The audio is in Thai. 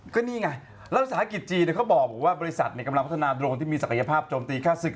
ก็นี่ไงรัฐสาหกิจจีนเขาบอกว่าบริษัทกำลังพัฒนาโดรนที่มีศักยภาพโจมตีค่าศึก